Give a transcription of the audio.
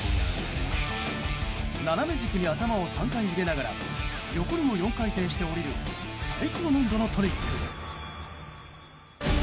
斜め軸に頭を３回入れながら横にも４回転して降りる最高難度のトリックです。